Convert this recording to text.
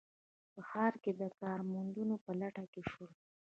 په ښار کې د کار موندنې په لټه کې شول